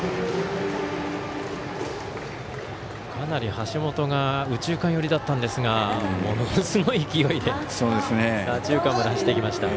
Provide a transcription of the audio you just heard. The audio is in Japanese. かなり橋本が右中間寄りだったんですがものすごい勢いで左中間まで走っていきました。